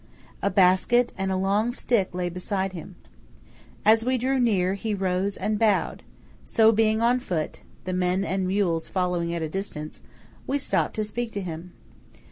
A basket and a long stick lay beside him. As we drew near, he rose and bowed; so being on foot (the men and mules following at a distance) we stopped to speak to him.